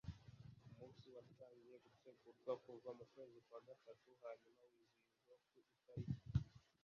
umunsi watangiye gutegurwa kuva mu kwezi kwa gatatu hanyuma wizihizwa ku itariki